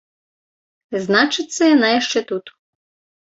Значыцца, яна яшчэ тут.